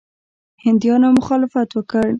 هندیانو مخالفت وکړ.